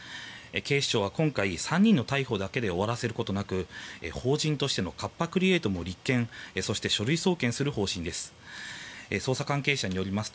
警視庁は今回３人の逮捕だけで終わらせることなく法人としてのカッパ・クリエイトの立件や書類送検する方針です。